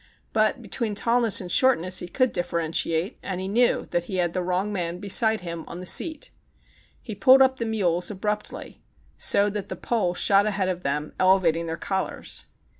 But be tween tallness and shortness he could differen tiate, and he knew that he had the wrong man beside him on the seat. He pulled up the mules abruptly, so that the pole shot ahead of them, elevating their collars.